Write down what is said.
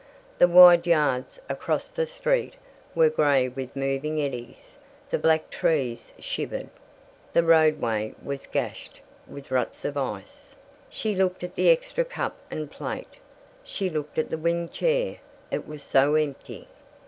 The wide yards across the street were gray with moving eddies. The black trees shivered. The roadway was gashed with ruts of ice. She looked at the extra cup and plate. She looked at the wing chair. It was so empty.